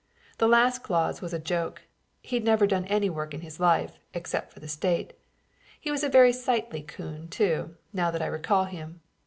The last clause was a joke. He had never done any work in his life, except for the state. He was a very sightly coon, too, now that I recall him.